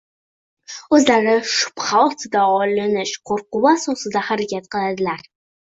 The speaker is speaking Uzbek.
o‘zlari shubha ostiga olinish qo‘rquvi asosida harakat qiladilar.